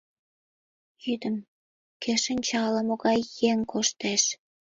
Йӱдым, кӧ шинча, ала-могай еҥ коштеш...